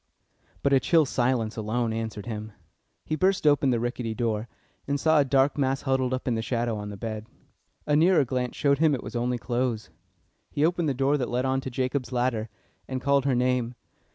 But a chill silence alone answered him. He burst open the rickety door, and saw a dark mass huddled up in the shadow on the bed. A nearer glance showed him it was only clothes. He opened the door that led on to Jacob's ladder, and called her name.